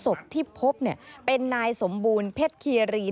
ศพที่พบเป็นนายสมบูรณ์เพชรคีรี